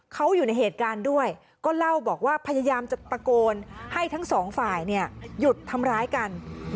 เขาอยู่ในเหตุการณ์ด้วยก็เล่าบอกว่าพยายามจะตะโกนให้ทั้งสองฝ่ายหยุดทำร้ายกัน